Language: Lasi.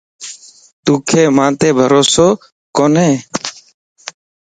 توکَ مانت بھروسو ڪوني؟